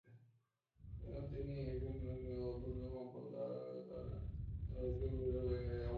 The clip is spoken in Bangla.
তিনি একজন অত্যন্ত সজ্জিত পুলিশ কর্মকর্তা যার তৎকালীন জাতীয় পুলিশ প্রশিক্ষণ একাডেমিতে অবদান রয়েছে।